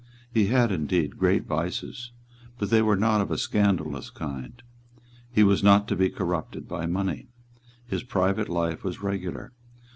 He had indeed great vices; but they were not of a scandalous kind. He was not to be corrupted by money. His private life was regular.